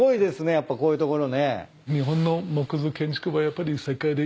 やっぱこういうところね。